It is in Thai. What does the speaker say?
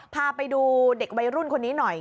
พาไปดูเด็กวัยรุ่นคนนี้หน่อย